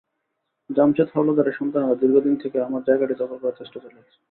জামসেদ হাওলাদারের সন্তানেরা দীর্ঘদিন থেকে আমার জায়গাটি দখল করার চেষ্টা চালাচ্ছে।